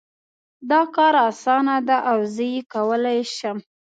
دا کار اسانه ده او زه یې کولای شم